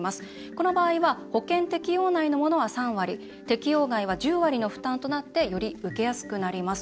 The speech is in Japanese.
この場合は、保険適用内のものは３割適用外は１０割負担となってより受けやすくなります。